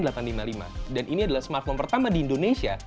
dan ini adalah smartphone pertama di indonesia